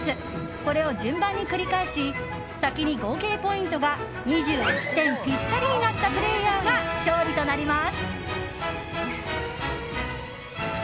これを順番に繰り返し先に合計ポイントが２１点ピッタリになったプレーヤーが勝利となります。